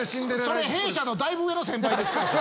それ弊社のだいぶ上の先輩です。